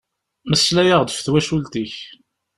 Melslay-aɣ-d ɣef twacult-ik!